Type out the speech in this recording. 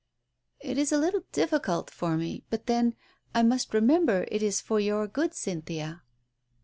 "It is a little difficult for me — but then— I must remember it is for your good, Cynthia."